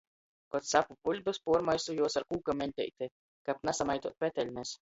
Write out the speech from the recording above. Kod capu buļbis, puormaisu juos ar kūka meņteiti, kab nasamaituot peteļnis.